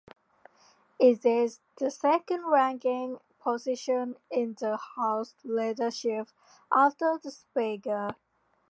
It is the second ranking position in the House Leadership after the Speaker.